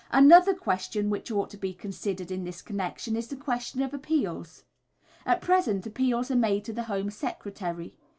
Another question which ought to be considered in this connection is the question of appeals. At present appeals are made to the Home Secretary.